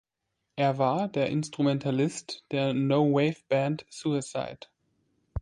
Er war der Instrumentalist der No-Wave-Band Suicide.